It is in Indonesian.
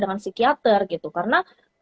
dengan psikiater gitu karena